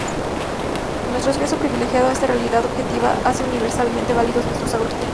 Nuestro acceso privilegiado a esa realidad objetiva hace universalmente válidos nuestros argumentos.